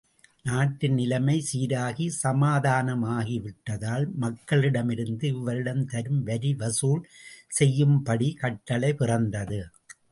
நாட்டின் நிலைமை சீராகி, சமாதானம் ஆகி விட்டதால், மக்களிடமிருந்து இவ்வருடம் தரும வரி வசூல் செய்யும்படி கட்டளை பிறந்தது.